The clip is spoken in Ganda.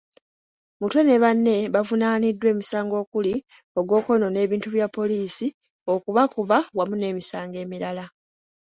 Mutwe ne banne bavunaaniddwa emisango okuli ogw'okwonoona ebintu bya poliisi, okubakuba wamu n'emisango emirala.